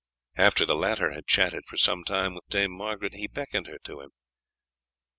After the latter had chatted for some time with Dame Margaret he beckoned her to him.